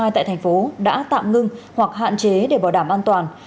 tại thành phố đã tạm ngưng hoặc hạn chế để bảo đảm an toàn